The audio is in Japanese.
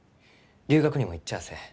留学にも行っちゃあせん。